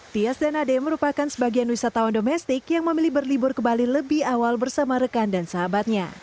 tias dan ade merupakan sebagian wisatawan domestik yang memilih berlibur ke bali lebih awal bersama rekan dan sahabatnya